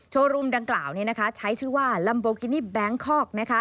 รุมดังกล่าวนี้ใช้ชื่อว่าลัมโบกินี่แบงคอก